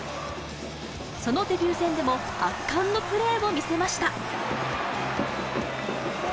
そのデビュー戦でも圧巻のプレーを見せました。